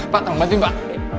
pak tanganmu mati pak